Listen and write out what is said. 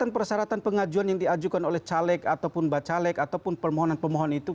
oke nah persyaratan persyaratan pengajuan yang diajukan oleh caleg ataupun bacaleg ataupun permohonan permohonan itu